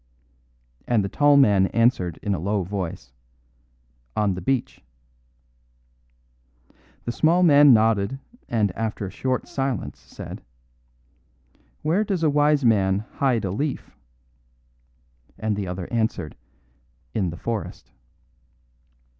And the tall man answered in a low voice: "On the beach." The small man nodded, and after a short silence said: "Where does a wise man hide a leaf?" And the other answered: "In the forest."